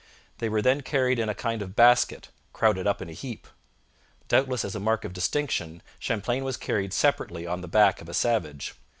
They were then carried in a kind of basket, 'crowded up in a heap.' Doubtless as a mark of distinction, Champlain was carried separately on the back of a savage.